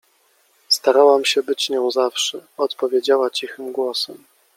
— Starałam się być nią zawsze — odpowiedziała cichym głosem.